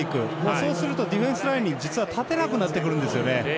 そうするとディフェンスラインに実は立てなくなってくるんですよね。